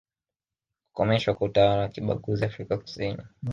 kukomeshwa kwa utawala wa kibaguzi Afrika kusini